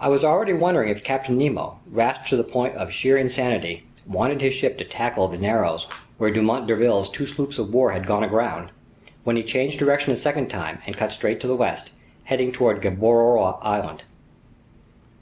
I was already wondering if Captain Nemo, rash to the point of sheer insanity, wanted his ship to tackle the narrows where Dumont d'Urville's two sloops of war had gone aground, when he changed direction a second time and cut straight to the west, heading toward Gueboroa Island.